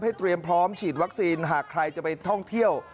เตรียมพร้อมฉีดวัคซีนหากใครจะไปท่องเที่ยว